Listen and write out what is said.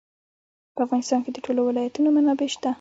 په افغانستان کې د ټولو ولایتونو منابع شته.